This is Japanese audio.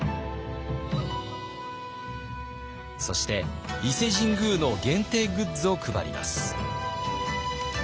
そして伊勢神宮の限定グッズを配ります。